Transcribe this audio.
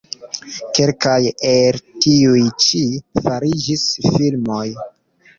Kelkaj el tiuj-ĉi fariĝis filmoj.